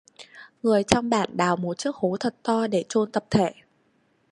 Người trong bản đào một chiếc hố thật to để chôn tập thể